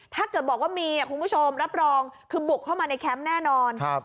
ถ้าเกิดบอกว่ามีคุณผู้ชมรับรองคือบุกเข้ามาในแคมป์แน่นอน